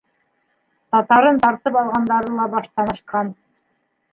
Татарын тартып алғандары ла баштан ашҡан.